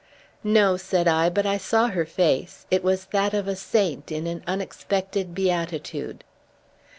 "No," said I, "but I saw her face. It was that of a saint in an unexpected beatitude."